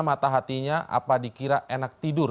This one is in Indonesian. mata hatinya apa dikira enak tidur